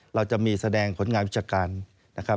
เราจะมีแสดงผลงานวิชาการนะครับ